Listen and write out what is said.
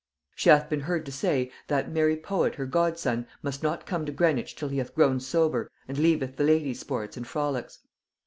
She hath been heard to say, 'that merry poet her godson, must not come to Greenwich till he hath grown sober and leaveth the ladies' sports and frolics.'